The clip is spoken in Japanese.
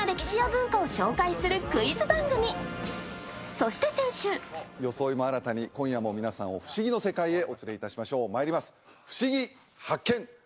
そして先週装いも新たに今夜も皆さんを不思議の世界へお連れいたしましょう「世界ふしぎ発見！」